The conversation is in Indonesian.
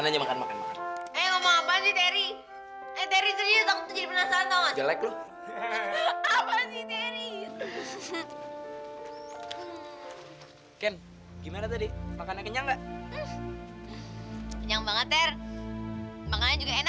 sampai jumpa di video selanjutnya